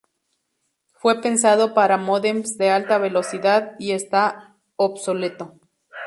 Fue pensado para módems de alta velocidad, y está obsoleto.